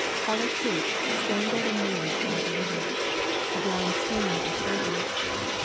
Hollow Creek spangled and mazed like a river. The ground steamed with fragrance.